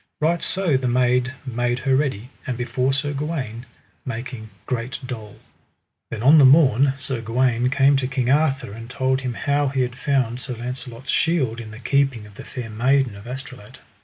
Right so the maid made her ready, and before Sir Gawaine, making great dole. Then on the morn Sir Gawaine came to King Arthur, and told him how he had found Sir Launcelot's shield in the keeping of the Fair Maiden of Astolat.